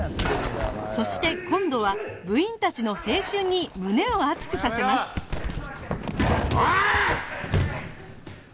そして今度は部員たちの青春に胸を熱くさせますおい！！